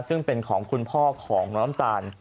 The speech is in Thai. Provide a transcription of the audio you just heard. ซึ่งเป็นของคุณพ่อของน้องน้ำตาล